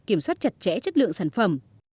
kiểm soát chặt chẽ chất lượng sản phẩm